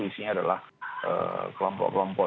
isinya adalah kelompok kelompok